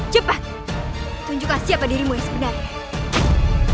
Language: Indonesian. cepat tunjukkan siapa dirimu yang sebenarnya